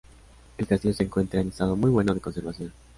El castillo se encuentra en estado muy bueno de conservación.